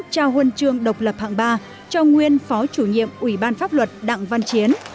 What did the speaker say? trao huân trường độc lập hạng ba cho nguyên phó chủ nhiệm ủy ban pháp luật đặng văn chiến